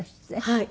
はい。